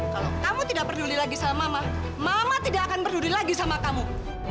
kalau kamu tidak peduli lagi sama mama mama tidak akan berdiri lagi sama kamu